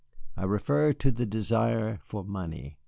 I refer to the desire for money.